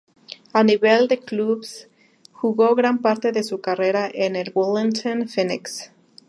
A nivel de clubes, jugó gran parte de su carrera en el Wellington Phoenix.